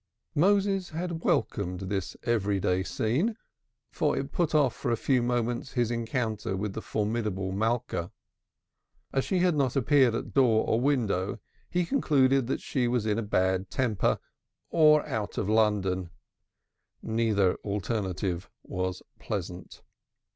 Moses had welcomed this every day scene, for it put off a few moments his encounter with the formidable Malka. As she had not appeared at door or window, he concluded she was in a bad temper or out of London; neither alternative was pleasant.